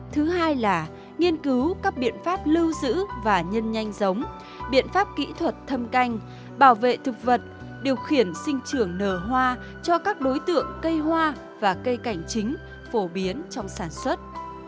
thứ hai là nghiên cứu các biện pháp lưu giữ và nhân nhanh giống biện pháp kỹ thuật thâm canh bảo vệ thực vật điều khiển sinh trưởng nở hoa cho các đối tượng cây hoa và cây cảnh chính phổ biến trong sản xuất